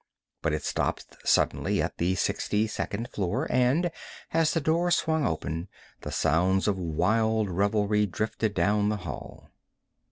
But it stopped suddenly at the 62nd floor, and, as the door swung open, the sounds of wild revelry drifted down the hall.